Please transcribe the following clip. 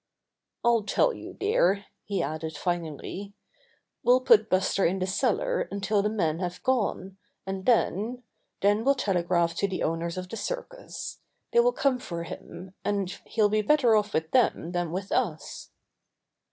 "I'll tell you, dear," he added finally, "we'll put Buster in the cellar until the men have gone, and then — then we'll telegraph to the owners of the circus. They will come for him, and he'll be better off with them than with us."